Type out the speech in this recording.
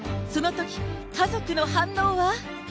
そのとき、家族の反応は？